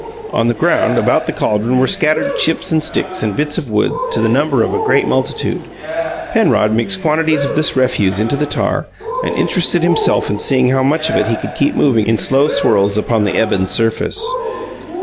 On the ground about the caldron were scattered chips and sticks and bits of wood to the number of a great multitude. Penrod mixed quantities of this refuse into the tar, and interested himself in seeing how much of it he could keep moving in slow swirls upon the ebon surface.